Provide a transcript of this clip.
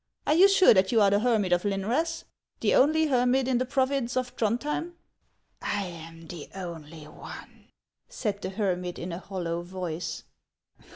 Are you sure that you are the hermit of Lynrass, — the only hermit in the province of Throndhjem ?"" I am the only one," said the hermit in a hollow voice.